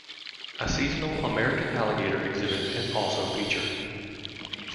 A seasonal, American Alligator Exhibit is also featured.